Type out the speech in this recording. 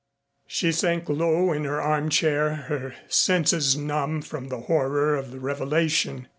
She sank low in her armchair, her senses numb from the horror of the revelation.